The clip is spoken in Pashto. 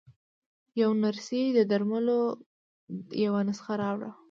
يوې نرسې د درملو يوه نسخه راوړه.